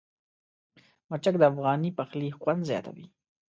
مرچک د افغاني پخلي خوند زیاتوي.